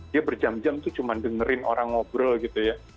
dia berjam jam itu cuma dengerin orang ngobrol gitu ya